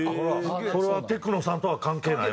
それはてく乃さんとは関係ない？